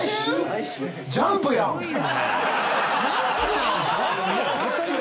『ジャンプ』やん。